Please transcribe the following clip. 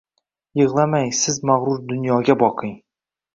Yiglamang siz magrur dunyoga boqing